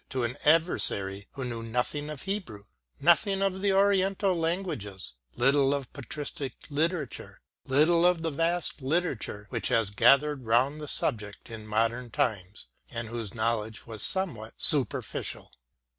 MATTHEW ARNOLD 175 an adversary who knew nothing ^of Hebrew, nothing of the Oriental languages, little of patristic literature, little of the vast literature which has gathered round the subject in modern times, and whose knowledge was somewhat superficial.